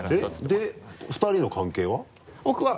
で２人の関係は？